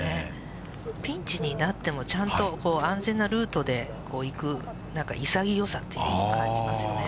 ピンチになっても、ちゃんと安全なルートでいく、なんか潔さっていうか、感じますよね。